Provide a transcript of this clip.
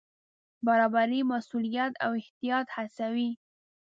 برابري مسوولیت او احتیاط هڅوي.